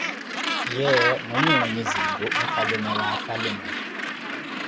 Ye, mweenyewe nyi zinku mfwalume wa afwalume.